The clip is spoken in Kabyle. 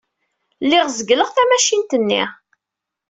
Lliɣ zeggleɣ tamacint-nni.